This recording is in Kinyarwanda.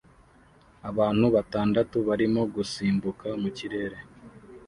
Abantu batandatu barimo gusimbuka mu kirere